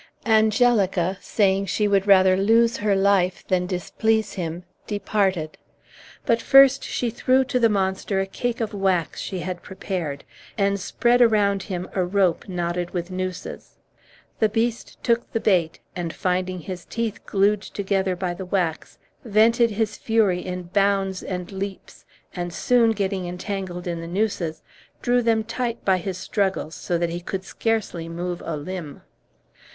Angelica, saying she would lose her life rather than displease him, departed; but first she threw to the monster a cake of wax she had prepared, and spread around him a rope knotted with nooses. The beast took the bait, and, finding his teeth glued together by the wax, vented his fury in bounds and leaps, and, soon getting entangled in the nooses, drew them tight by his struggles, so that he could scarcely move a limb.